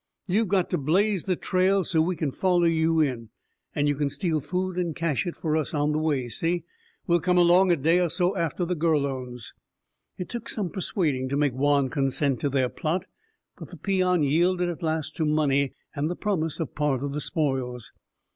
You've got to blaze the trail so we can follow you in. And you can steal food and cache it for use on the way, see? We'll come along a day or so after the Gurlones." It took some persuading to make Juan consent to their plot, but the peon yielded at last to money and the promise of part of the spoils.